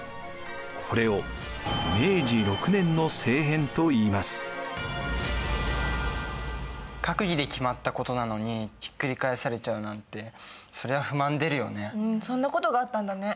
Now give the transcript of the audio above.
これを閣議で決まったことなのにひっくり返されちゃうなんてそりゃ不満出るよね。